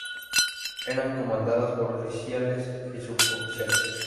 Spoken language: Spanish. Eran comandadas por oficiales y suboficiales.